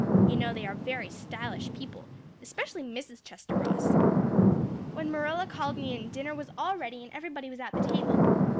You know they are very stylish people, especially Mrs. Chester Ross. When Marilla called me in dinner was all ready and everybody was at the table.